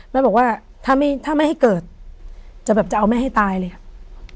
แล้วบอกว่าถ้าแม่ให้เกิดจะเอาแม่ให้ตายเลยครับ